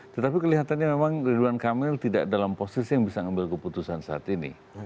tetapi kelihatannya memang ridwan kamil tidak dalam posisi yang bisa mengambil keputusan saat ini